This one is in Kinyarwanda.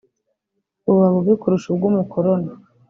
buba bubi kurusha ubw’umukoloni